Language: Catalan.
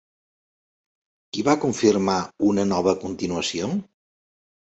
Qui va confirmar una nova continuació?